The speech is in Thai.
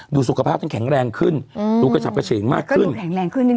ดูสุขภาพกันแข็งแรงขึ้นอืมดูกระฉับกระเฉงมากขึ้นก็ดูแข็งแรงขึ้นนิดนึง